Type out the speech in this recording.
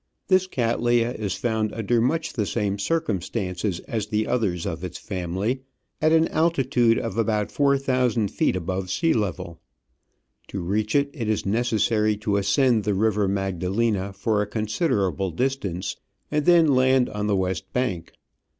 This Cattleya is found under much the same circumstances as the others of its family, at an altitude of about four thousand feet above sea level. To reach it, it is necessary to ascend the river Magda lena for a considerable distance, and then land on the west bank.